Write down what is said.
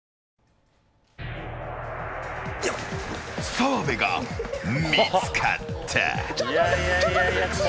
澤部が見つかった。